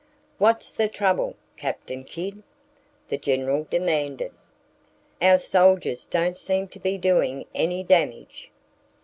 "What's the trouble, Captain Kidd?" the General demanded. "Our soldiers don't seem to be doing any damage."